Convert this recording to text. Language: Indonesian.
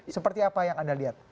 seperti apa yang anda lihat